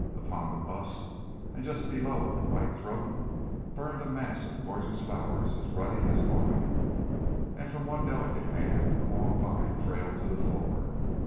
Upon the bust, and just below the white throat, burned a mass of gorgeous flowers as ruddy as wine; and from one delicate hand a long vine trailed to the floor.